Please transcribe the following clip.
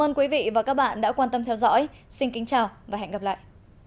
ơn các bạn đã theo dõi xin kính chào và hẹn gặp lại